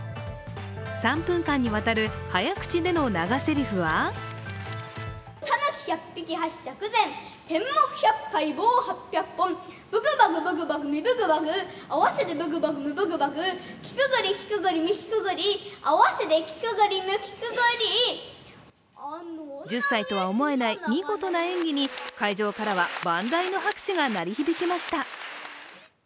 ３分間にわたる早口での長ぜりふは１０歳とは思えない見事な演技に、会場からは万雷の拍手が鳴り響きました。